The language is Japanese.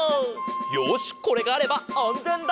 よしこれがあればあんぜんだ！